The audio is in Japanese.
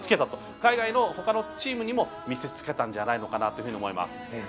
海外のほかのチームにも見せつけたんじゃないかなというふうに思います。